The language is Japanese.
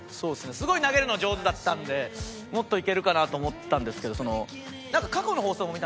すごい投げるの上手だったんでもっといけるかなと思ったんですけどなんか。